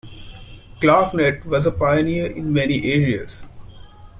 ClarkNet was a pioneer in many areas.